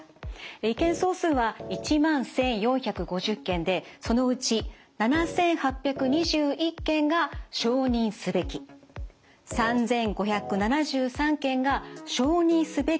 意見総数は１万１，４５０件でそのうち７，８２１件が「承認すべき」３，５７３件が「承認すべきでない」でした。